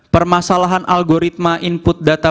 permasalahan algoritma input data